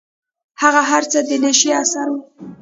هغه هر څه د نيشې اثر و.